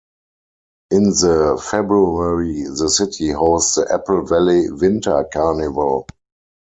In the February the city hosts the Apple Valley Winter Carnival.